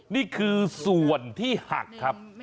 นี่คือส่วนที่หักครับ